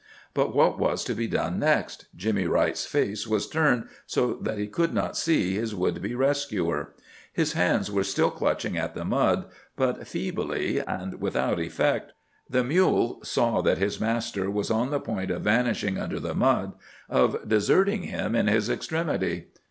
But what was to be done next? Jimmy Wright's face was turned so that he could not see his would be rescuer. His hands were still clutching at the mud, but feebly and without effect. The mule saw that his master was on the point of vanishing under the mud, of deserting him in his extremity.